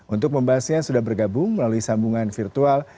untuk membahasnya sudah bergabung melalui sambungan virtual